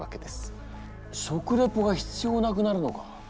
食レポが必要なくなるのか？